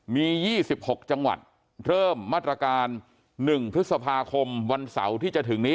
มี๒๖จังหวัดเริ่มมาตรการ๑พฤษภาคมวันเสาร์ที่จะถึงนี้